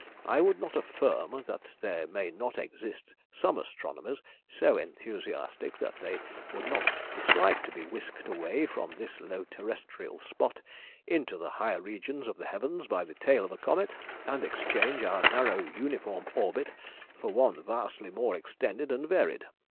I would not affirm that there may not exist some astronomers so enthusiastic that they would not dislike to be whisked away from this low terrestrial spot into the higher regions of the heavens by the tail of a comet, and exchange our narrow uniform orbit for one vastly more extended and varied.